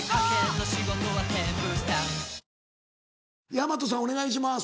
大和さんお願いします。